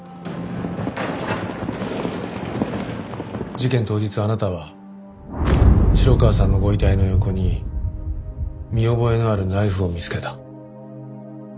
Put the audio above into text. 事件当日あなたは城川さんのご遺体の横に見覚えのあるナイフを見つけた。